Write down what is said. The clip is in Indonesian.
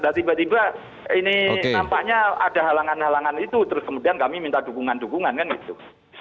nah tiba tiba ini nampaknya ada halangan halangan itu terus kemudian kami minta dukungan dukungan kan gitu